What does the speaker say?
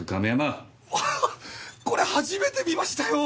あはっこれ初めて見ましたよ！